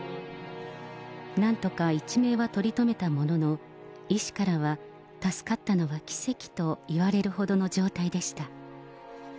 なんとか一命は取り留めたものの、医師からは、助かったのは奇跡と言われるほどの状態でした。